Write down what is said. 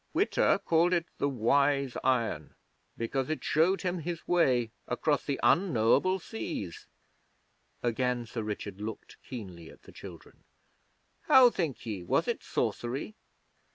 Witta called it the Wise Iron, because it showed him his way across the unknowable seas.' Again Sir Richard looked keenly at the children. 'How think ye? Was it sorcery?'